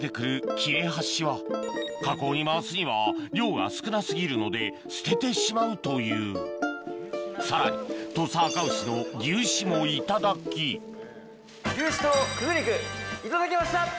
切れ端は加工に回すには量が少な過ぎるので捨ててしまうというさらに土佐あかうしの牛脂も頂き牛脂とくず肉頂きました！